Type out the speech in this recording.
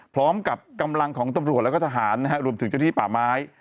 พร้อมกับกำลังของตำรวจแล้วก็ทหารนะฮะรวมถึงเจ้าที่ป่าไม้